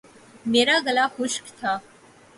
میرا گلا خشک تھا